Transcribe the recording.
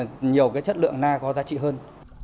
nhiều cái chất lượng na có giá trị hơn